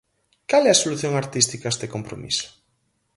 Cal é a solución artística a este compromiso?